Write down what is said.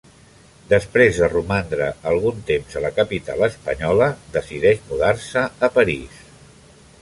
Després de romandre algun temps a la capital espanyola decideix mudar-se a París.